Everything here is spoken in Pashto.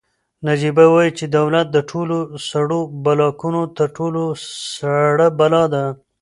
نیچه وایي چې دولت د ټولو سړو بلاګانو تر ټولو سړه بلا ده.